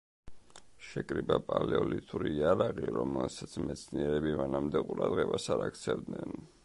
შეკრიბა პალეოლითური იარაღი, რომელსაც მეცნიერები მანამდე ყურადღებას არ აქცევდნენ.